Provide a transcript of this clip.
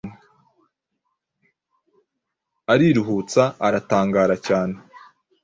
ariruhutsa aratangara cyane